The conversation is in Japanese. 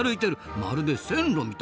まるで線路みたいですな。